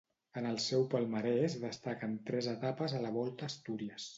En el seu palmarès destaquen tres etapes a la Volta a Astúries.